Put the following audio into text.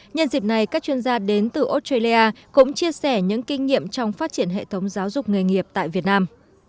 nhân dịp này các chuyên gia đến từ australia cũng chia sẻ những kinh nghiệm trong phát triển hệ thống giáo dục nghề nghiệp tại việt nam